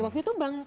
waktu itu bang